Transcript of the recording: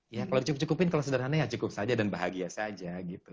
ya kalau dicukupin kalau sederhana ya cukup saja dan bahagia saja